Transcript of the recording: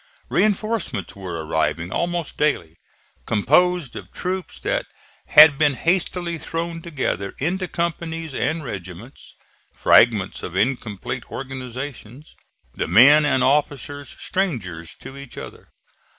Reinforcements were arriving almost daily, composed of troops that had been hastily thrown together into companies and regiments fragments of incomplete organizations, the men and officers strangers to each other.